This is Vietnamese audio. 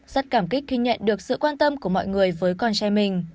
rất cảm kích khi nhận được sự quan tâm của mọi người với con trai mình